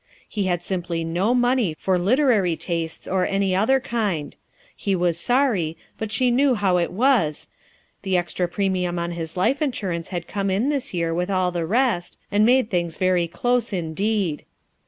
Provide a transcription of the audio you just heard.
He had simply no money, for literary tastes or any other kind ; he was sorry, but she knew how it was, the extra premium on his life insurance had come in this year with all the rest, and made things very close indeed.